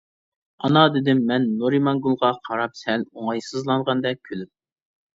-ئانا-دېدىم مەن نۇرىمانگۈلگە قاراپ سەل ئوڭايسىزلانغاندەك كۈلۈپ.